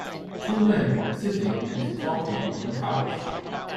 Two men sitting and talking on a couch.